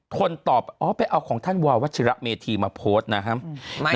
คนตอบอ๋อไปเอาของท่านววัชิระเมธีมาโพสต์นะครับ